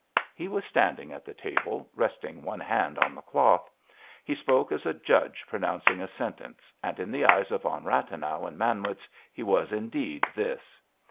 He was standing at the table, resting one hand on the cloth. He spoke as a judge pronouncing a sentence, and in the eyes of von Rathenau and Manwitz he was, indeed, this.